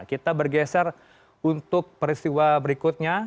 kita bergeser untuk peristiwa berikutnya